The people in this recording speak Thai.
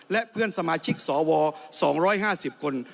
และเพื่อนสมาชิกสว๒๕๐คน